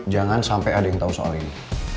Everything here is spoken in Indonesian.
jangan sampe ada yang tau soal ini